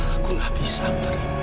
aku gak bisa putari